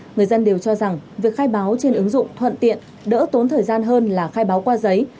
người dân đều cho rằng việc khai báo trên ứng dụng thuận tiện đỡ tốn thời gian hơn là khai báo qua giấy